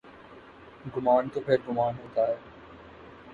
گمان تو پھرگمان ہوتا ہے۔